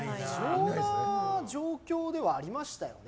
異常な状況ではありましたよね